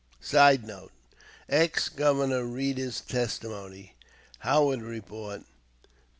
[Sidenote: Ex Governor Reeder's Testimony, "Howard Report," pp.